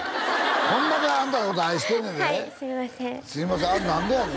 こんだけあんたのこと愛してんねやではいすいませんあれ何でやの？